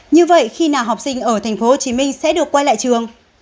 như vậy khi nào học sinh ở tp hcm sẽ được quay lại trường